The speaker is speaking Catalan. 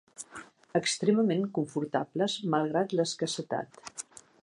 Extremament confortables, malgrat l'escassetat